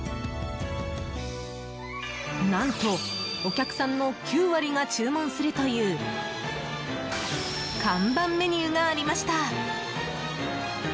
何と、お客さんの９割が注文するという看板メニューがありました。